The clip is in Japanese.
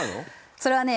それはね